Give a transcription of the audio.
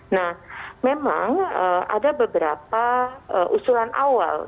nah memang ada beberapa usulan awal